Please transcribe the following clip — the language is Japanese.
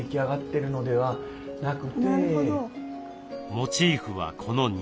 モチーフはこの庭。